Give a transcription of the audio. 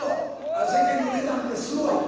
世間の値段ってすごい。